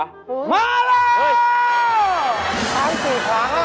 อะไรนะกับขาเนี่ย